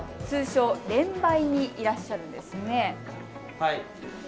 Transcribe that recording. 通称「レンバイ」にいらっしゃるんですね。